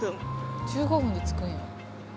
１５分で着くんや。